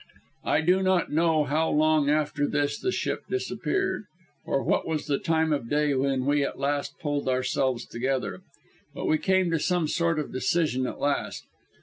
I do not know how long after this the Ship disappeared, or what was the time of day when we at last pulled ourselves together. But we came to some sort of decision at last.